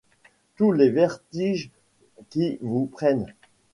Tous les vertiges qui vous prennent